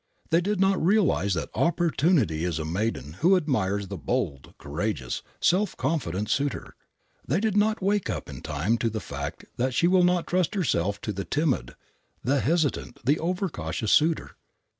They did not realize that opportunity is a maiden who admires the bold, courageous, self confident suitor. They did not wake up in time to the fact that she will not trust herself to the timid, the hesitant, the over cautious suitor.